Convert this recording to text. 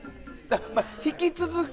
引き続き。